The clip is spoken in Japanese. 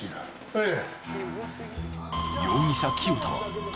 ええ。